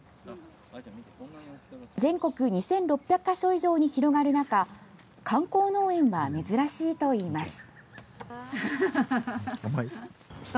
全国２６００か所以上に広がる中観光農園は、珍しいといいます。